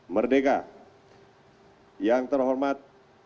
merdeka yang terhormat